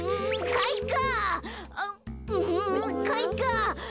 かいか！